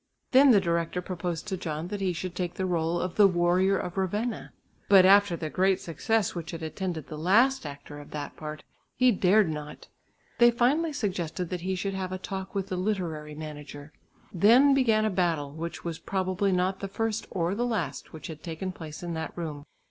Then the director proposed to John that he should take the rôle of the "Warrior of Ravenna." But after the great success which had attended the last actor of that part, he dared not. They finally suggested that he should have a talk with the literary manager. Then began a battle which was probably not the first or the last which had taken place in that room.